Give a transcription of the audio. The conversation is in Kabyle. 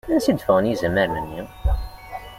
Ansa i d-ffɣen izamaren-nni?